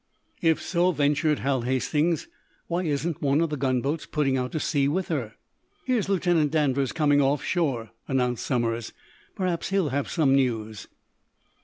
"If so," ventured Hal Hastings, "why isn't one of the gunboats putting out to sea with her." "Here's Lieutenant Danvers coming off shore," announced Somers. "Perhaps he'll have some news."